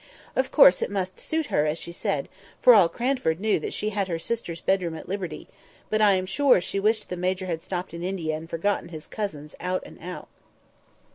Of course it must suit her, as she said; for all Cranford knew that she had her sister's bedroom at liberty; but I am sure she wished the Major had stopped in India and forgotten his cousins out and out.